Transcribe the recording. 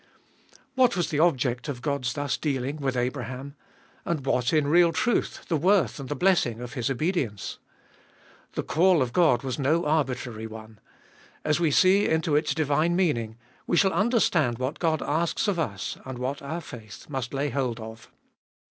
What was the object of God's thus dealing with Abraham ? And what, in real truth, the worth and the blessing of his obedience ? The call of God was no arbitrary one ; as we see into its divine meaning we shall understand what God asks of us and what our faith must lay hold of.